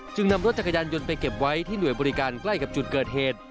นำรถจักรยานยนต์ไปเก็บไว้ที่หน่วยบริการใกล้กับจุดเกิดเหตุ